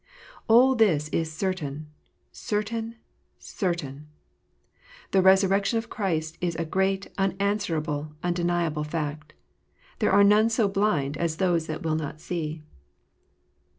All this is certain, certain, certain ! The resurrection of Christ is a great, unan swerable, undeniable fact. There are none so blind as those that will not see.